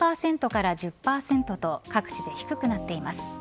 ０％から１０％と各地で低くなっています。